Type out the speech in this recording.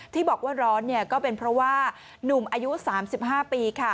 ที่บอกว่าร้อนก็เป็นเพราะว่านุ่มอายุ๓๕ปี